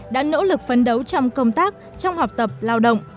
đã nỗ lực phấn đấu trong công tác trong học tập lao động